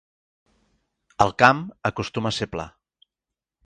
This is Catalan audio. El camp acostuma a ser pla.